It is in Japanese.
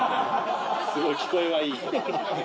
すごい聞こえはいい。